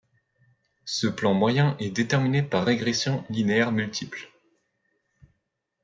Ce plan moyen est déterminé par régression linéaire multiple.